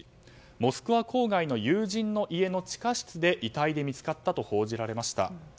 モスクワ郊外の友人の家の地下室で遺体で見つかったと報じられました。